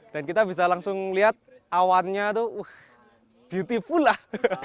dan kita bisa langsung lihat awannya tuh beautiful lah